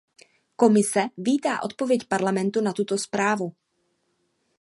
Komise vítá odpověď Parlamentu na tuto zprávu.